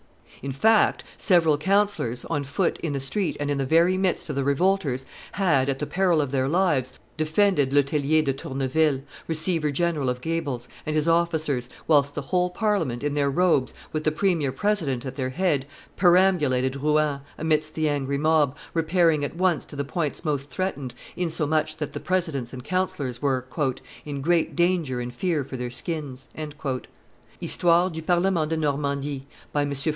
In fact, several counsellors, on foot in the street and in the very midst of the revolters, had, at the peril of their lives, defended Le Tellier de Tourneville, receiver general of gabels, and his officers, whilst the whole Parliament, in their robes, with the premier president at their head, perambulated Rouen, amidst the angry mob, repairing at once to the points most threatened, insomuch that the presidents and counsellors were "in great danger and fear for their skins." [Histoire du Parlement de Normandy, by M. Floquet, t.